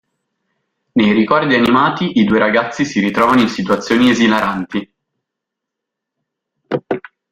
Nei ricordi animati, i due ragazzi si ritrovano in situazioni esilaranti.